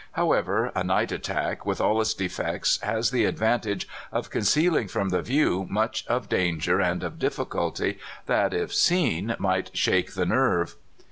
However, a night attack, with all its defects, has the advantage of concealing from the view much of danger and of difficulty that, if seen, might shake the nerve.